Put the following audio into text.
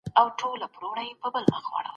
کمپيوټر ډاکټر ته خبر ورکوي.